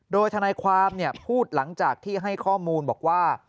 โดยทนายความพูดหลังจากที่ให้ข้อมูลบอกว่า